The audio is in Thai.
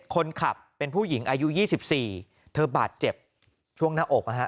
คนขับเป็นผู้หญิงอายุ๒๔เธอบาดเจ็บช่วงหน้าอกนะฮะ